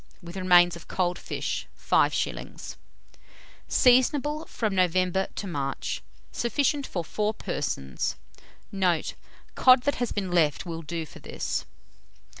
with remains of cold fish, 5d. Seasonable from November to March. Sufficient for 4 persons. Note. Cod that has been left will do for this.